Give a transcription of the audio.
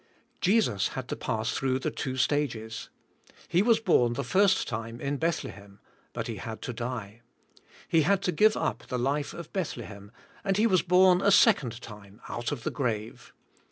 Jesus had to pass throug h the two stag es. He was born the first time in Bethlehem, but He had to die. He had to give up the life of Bethlehem and He was born a 186 thk spiri'tuai, life. second time out of the grave.